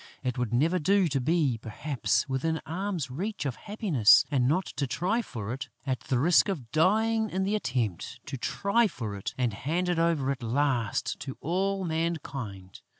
It would never do to be, perhaps, within arm's length of happiness and not to try for it, at the risk of dying in the attempt, to try for it and hand it over at last to all mankind!